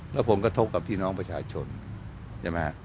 แล้วผลกระทบกับพี่น้องประชาชนใช่ไหมฮะ